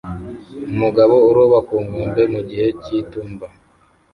Umugabo uroba ku nkombe mugihe cyitumba